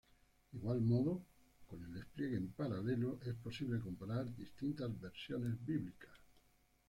De igual modo, con el despliegue en paralelo, es posible comparar distintas versiones bíblicas.